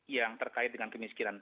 yang terkait dengan kemiskinan